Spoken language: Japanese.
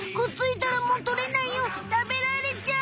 たべられちゃう！